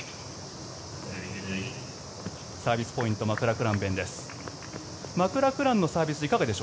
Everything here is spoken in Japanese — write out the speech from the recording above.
サービスポイントマクラクラン勉です。